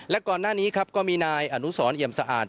และก่อนหน้านี้ครับก็มีนายอนุสรเอี่ยมสะอาด